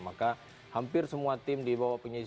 maka hampir semua tim di bawah penyelidikan